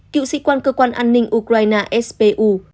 cựu sĩ quan cơ quan an ninh ukraine sbu